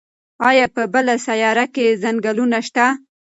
ایا په بله سیاره کې ځنګلونه شته؟